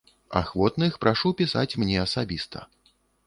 Ахвотных прашу пісаць мне асабіста.